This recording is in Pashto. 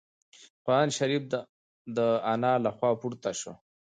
قرانشریف د انا له خوا پورته شو.